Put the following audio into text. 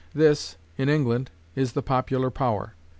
This, in England, is the popular power.